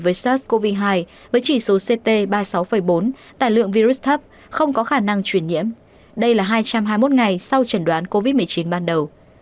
với sars cov hai với chỉ số ct ba mươi sáu bốn tài lượng virus thấp không có khả năng chuyển nhiễm đây là hai trăm hai mươi một ngày sau chẩn đoán covid một mươi chín ban đầu